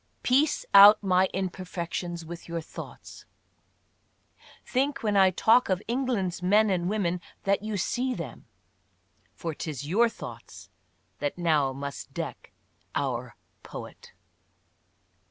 "Piece out my imperfections with your thoughts," think when I talk of England's men and women that you see them. " For 'tis your thoughts that now must deck our" poet.